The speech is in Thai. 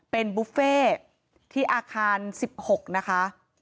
เป็นบุฟเฟ่ที่อาคาร๑๖นะคะ